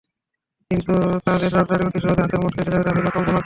কিন্তু তা যে এত তাড়াতাড়ি অতি সহজে হাতের মুঠোয় এসে যাবে তা ছিল কল্পনাতীত।